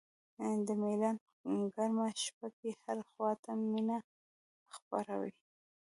د میلان په ګرمه شپه کې هره خوا ته مینه خپره وي.